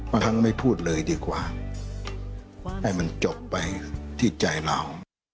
บางครั้งไม่พูดเลยดีกว่าให้มันจบไปที่ใจเรา